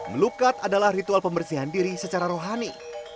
melukat adalah ritual pembersihan diri secara rohani